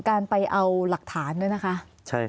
การไปเอาหลักฐานด้วยนะคะ